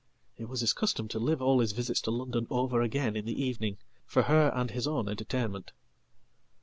It was hiscustom to live all his visits to London over again in the evening for herand his own entertainment."